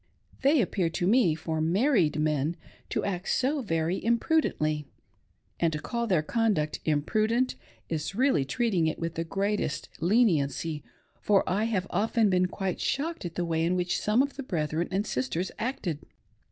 They appear to me, for married men, to act so very imprudently ; and to call their conduct ' imprudent ' is really treating it with the greatest leniency, for I have often been quite shocked at the way in which some of the brethren and sisters acted.